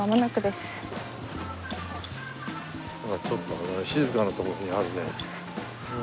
ちょっと静かな所にあるね。